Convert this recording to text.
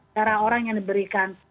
darah orang yang diberikan